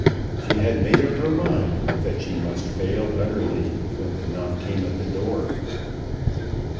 She had made up her mind that she must fail utterly when the knock came at the door.